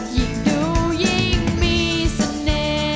ยิ่งดูยิ่งมีเสน่ห์